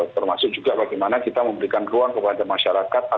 termasuk juga bagaimana kita memberikan ruang kepada masyarakat atau kepada para pengamat